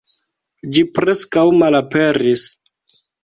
Ĝi preskaŭ malaperis.